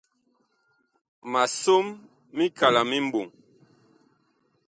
Ma som mikala mi mɓɔŋ.